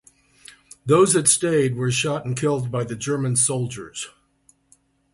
Those that stayed were shot and killed by the German soldiers.